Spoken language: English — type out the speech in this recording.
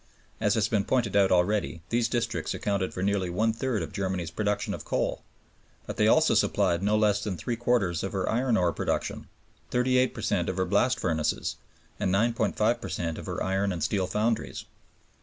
As has been pointed out already, these districts accounted for nearly one third of Germany's production of coal. But they also supplied no less than three quarters of her iron ore production, 38 per cent of her blast furnaces, and 9.5 per cent of her iron and steel foundries.